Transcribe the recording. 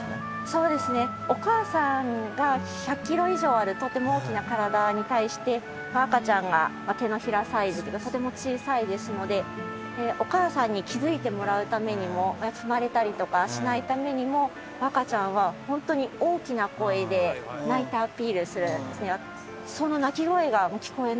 そうですねお母さんが１００キロ以上あるとても大きな体に対して赤ちゃんが手のひらサイズってとても小さいですのでお母さんに気づいてもらうためにも踏まれたりとかしないためにも赤ちゃんはホントに大きな声でないてアピールするんですね